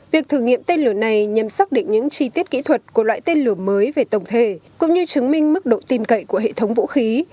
việc thử nghiệm tên lửa này nhằm xác định những chi tiết kỹ thuật của loại tên lửa mới về tổng thể cũng như chứng minh mức độ tin cậy của hệ thống vũ khí